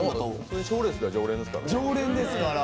賞レースでは常連ですからね。